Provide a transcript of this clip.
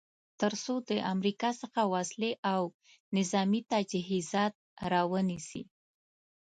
تر څو د امریکا څخه وسلې او نظامې تجهیزات را ونیسي.